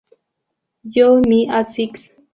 You Me at Six